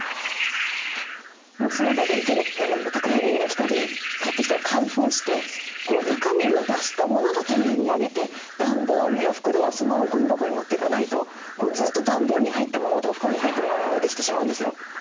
もうその場で全部宅配便が来たり買ってきたら開封して中身を出したモノだけ家に上げて段ボールや袋はそのままゴミ箱に持っていかないとこうずっと段ボールに入ったままとか袋に入ったモノができてしまうんですよ。